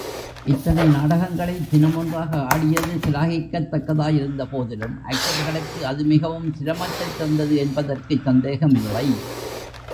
இத்தனை நாடகங்களை தினம் ஒன்றாக ஆடியது சிலாகிக்கத் தக்கதாயிருந்தபோதிலும், ஆக்டர்களுக்கு அது மிகவும் சிரமத்தைத் தந்தது என்பதற்குச் சந்தேகமில்லை.